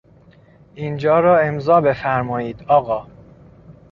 اینجا را امضا بفرمایید آقا.